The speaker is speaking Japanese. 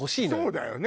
そうだよね。